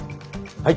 はい。